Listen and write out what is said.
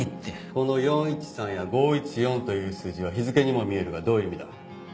この４１３や５１４という数字は日付にも見えるがどういう意味だ？